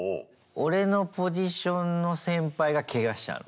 俺のポジションの先輩がケガしたの。